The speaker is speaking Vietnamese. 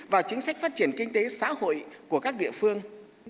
và chính sách phát triển kinh tế xã hội của các địa phương